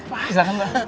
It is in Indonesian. pak silahkan mbak